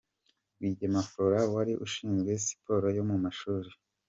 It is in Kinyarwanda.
Rwigema Florent wari Ushinzwe Siporo yo mu mashuri.